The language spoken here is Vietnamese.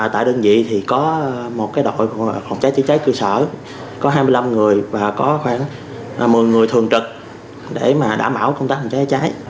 tại đơn vị thì có một đội phòng cháy chữa cháy cơ sở có hai mươi năm người và có khoảng một mươi người thường trực để đảm bảo công tác phòng cháy cháy